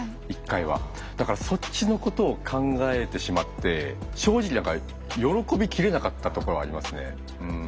だからそっちのことを考えてしまって正直何か喜びきれなかったところありますね。